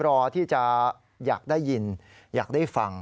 รอที่จะอยากได้ยินอยากได้ฟัง